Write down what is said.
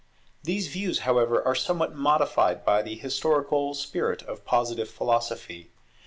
These views, however, are somewhat modified by the historical spirit of Positive Philosophy.